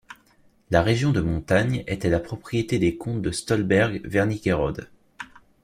La région de montagne était la propriété des comtes de Stolberg-Wernigerode.